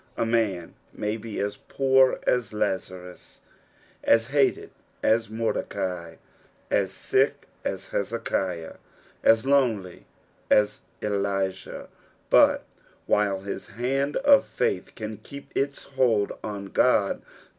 A man ma; be as poor as Laxarns, as hated as Mordecai, as sick as Hezekiah, as lonely as' Elijah, but while his hand of failh can keep its hold on Ood.